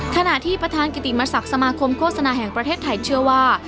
ขณะที่ประธานกิติมศักดิ์สมาคมโฆษณาแห่งประเทศไทยเชื่อว่า